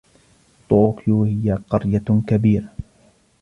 طوكيو هي قرية كبيرة.